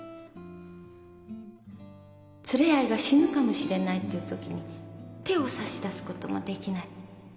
連れ合いが死ぬかもしれないっていうときに手を差し出すこともできない。